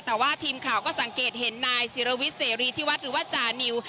แต่ว่าทีมข่าวก็สังเกตเห็นนายศิรวิทย์เสรีที่วัดหรือว่าจานิว